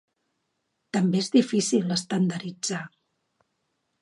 També és difícil estandarditzar.